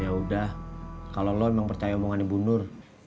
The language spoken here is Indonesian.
yaudah kalau lo emang percaya omongannya bu nur